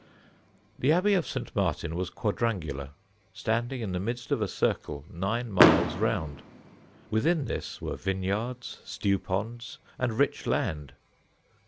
The Abbey of St. Martin was quadrangular, standing in the midst of a circle nine miles round. Within this were vineyards, stew ponds and rich land.